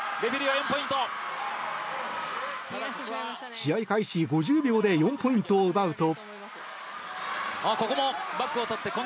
試合開始５０秒で４ポイントを奪うと。